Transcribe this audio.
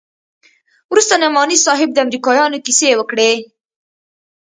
وروسته نعماني صاحب د امريکايانو کيسې وکړې.